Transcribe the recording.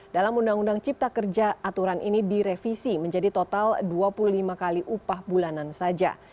dalam undang undang cipta kerja aturan ini direvisi menjadi total dua puluh lima kali upah bulanan saja